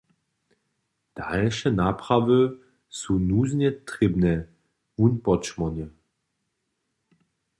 Dalše naprawy su nuznje trěbne, wón podšmórny.